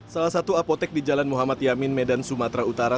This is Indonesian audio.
salah satu apotek di jalan muhammad yamin medan sumatera utara